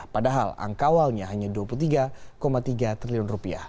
padahal angka awalnya hanya rp dua puluh tiga tiga triliun